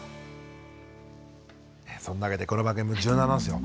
そんなわけでこの番組も柔軟なんですよ。